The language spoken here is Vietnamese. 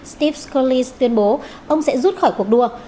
steve scurllis tuyên bố ông sẽ rút khỏi cuộc đua